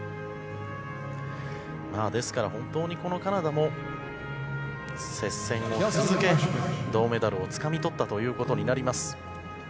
ですから本当にカナダも接戦を続け銅メダルをつかみとったということになります。